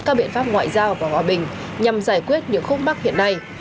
các biện pháp ngoại giao và hòa bình nhằm giải quyết những khúc bắc hiện nay